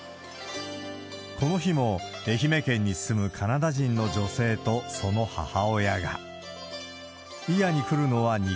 この日も、愛媛県に住むカナダ人の女性とその母親が。